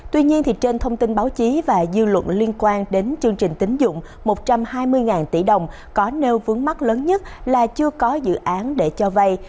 thông tin báo chí và dư luận liên quan đến chương trình tín dụng một trăm hai mươi tỷ đồng có nêu vướng mắt lớn nhất là chưa có dự án để cho vay